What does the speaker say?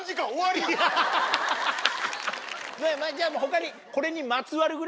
じゃもう他に。